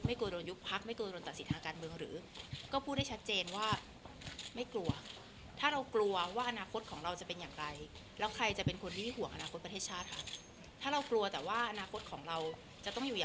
ไม่กลัวโดนยุคพักไม่กลัวโดนตัดสินทางการเมืองหรือ